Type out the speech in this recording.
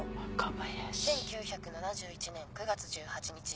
１９７１年９月１８日